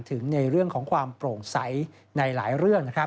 ถึงในเรื่องของความโปร่งใสในหลายเรื่อง